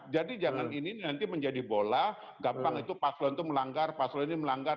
jadi jangan ini nanti menjadi bola gampang itu paslon itu melanggar paslon ini melanggar